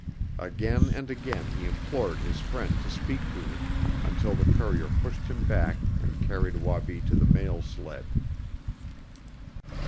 Again and again he implored his friend to speak to him, until the courier pushed him back and carried Wabi to the mail sled.